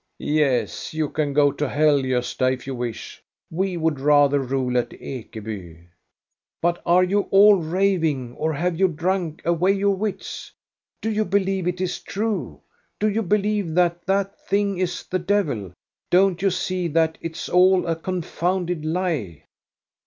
" Yes, you can go to hell, Gosta, if you wish ! We would rather rule at Ekeby. "" But are you all raving, or have you drunk away your wits } Do you believe it is true .? Do you believe that that thing is the devil? Don't you see that it 's all a confounded lie?